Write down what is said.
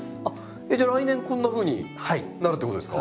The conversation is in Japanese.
じゃあ来年こんなふうになるってことですか？